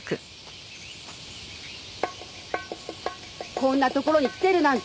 こんな所に来てるなんて。